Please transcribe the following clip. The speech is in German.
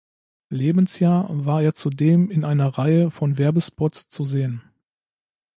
Lebensjahr war er zudem in einer Reihe von Werbespots zu sehen.